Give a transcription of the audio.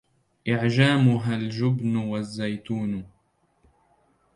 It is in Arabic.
إعجامُها الجبنُ والزيتونُ